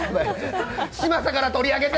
嶋佐から取り上げて！